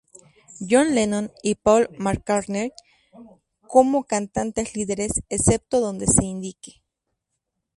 John Lennon y Paul McCartney como cantantes líderes, excepto donde se indique.